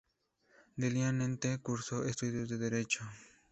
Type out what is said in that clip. Delineante, cursó estudios de Derecho.